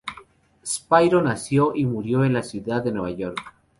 Spiro nació y murió en la ciudad de Nueva York.